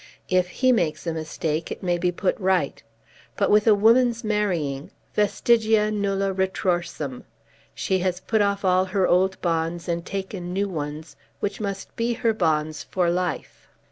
If he makes a mistake, it may be put right. But with a woman's marrying , vestigia nulla retrorsum. She has put off all her old bonds and taken new ones, which must be her bonds for life.